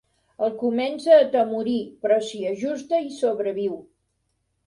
El comença a atemorir, però s'hi ajusta i sobreviu.